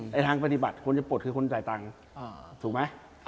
ทางปฏิบัติคนจะปลดคือคนจ่ายตังค์ถูกไหม